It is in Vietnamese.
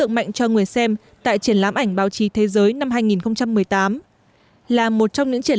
đây là bức ảnh cho người xem tại triển lãm ảnh báo chí thế giới năm hai nghìn một mươi tám là một trong những triển